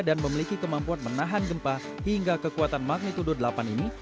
dan memiliki kemampuan menahan gempa hingga kekuatan magnitudo delapan ini